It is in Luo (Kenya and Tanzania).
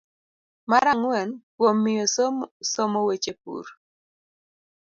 Mar ang'wen, kuom miyo somo weche pur